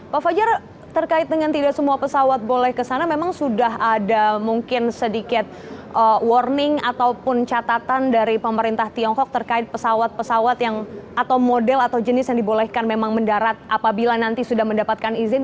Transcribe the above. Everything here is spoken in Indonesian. pak fajar terkait dengan tidak semua pesawat boleh ke sana memang sudah ada mungkin sedikit warning ataupun catatan dari pemerintah tiongkok terkait pesawat pesawat atau model atau jenis yang dibolehkan memang mendarat apabila nanti sudah mendapatkan izin